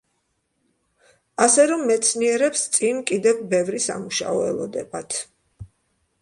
ასე რომ მეცნიერებს წინ კიდევ ბევრი სამუშაო ელოდებათ.